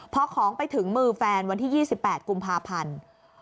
พอของไปถึงมือแฟนวันที่๒๘กุมภาพันธ์